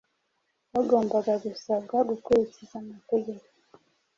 Bagombaga gusabwa gukurikiza amategeko